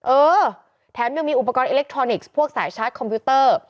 เออแถมยังมีอุปกรณ์อิเล็กทรอนิกส์พวกสายชาร์จคอมพิวเตอร์